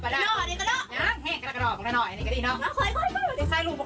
ด้วย